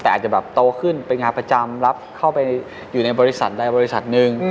แต่อาจจะแบบโตขึ้นไปงานประจำรับเข้าไปอยู่ในบริษัทใดบริษัทหนึ่ง